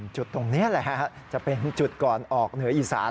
จุดตรงนี้แหละจะเป็นจุดก่อนออกเหนืออีสาน